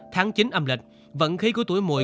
tháng chín âm lịch vận khí của tuổi mùi